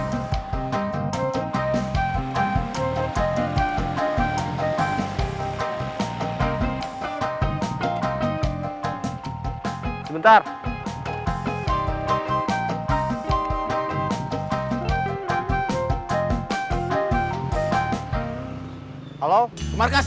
ke rumah calon pacar